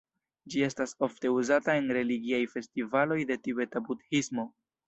Ĝi estas ofte uzata en religiaj festivaloj de Tibeta budhismo.